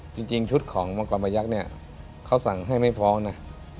จริงชุดของมังกรมายักษ์เนี่ยเขาสั่งให้ไม่ฟ้องนะ